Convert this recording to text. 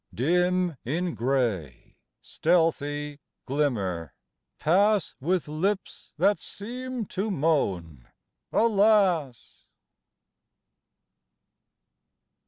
Dim in gray, stealthy glimmer, pass With lips that seem to moan "Alas."